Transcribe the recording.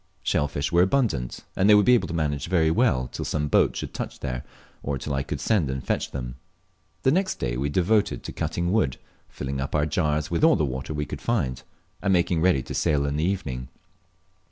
Shell fish were abundant, and they would be able to manage very well till some boat should touch there, or till I could send and fetch them. The next day we devoted to cutting wood, filling up our jars with all the water we could find, and making ready to sail in the evening.